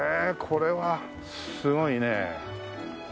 これはすごいねえ。